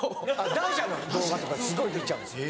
大蛇の動画とかすごい見ちゃうんですよ。